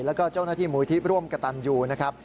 แล้วก็เจ้าหน้าที่มูลที่ร่วมกระตันยูนะครับ